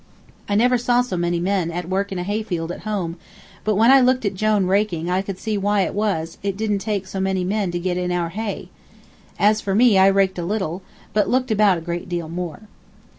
I never saw so many men at work in a hayfield at home, but when I looked at Jone raking I could see why it was it didn't take so many men to get in our hay. As for me, I raked a little, but looked about a great deal more.